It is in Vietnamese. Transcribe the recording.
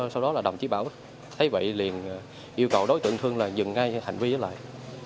sau đó đồng chí bảo thấy vậy liền yêu cầu đối tượng thương dừng ngay hành vi lại